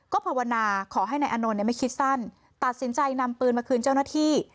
ก็ภาวนาขอให้นายอานนท์ไม่คิดสั้นตัดสินใจนำปืนมาคืนเจ้าหน้าที่